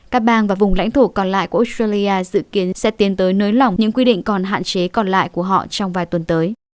các bang và vùng lãnh thổ còn lại của australia dự kiến sẽ tiến tới nới lỏng những quy định còn hạn chế còn lại của họ trong vài tuần tới